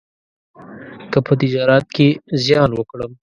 که په تجارت کې زیان وکړم،